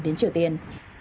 đến triều tiên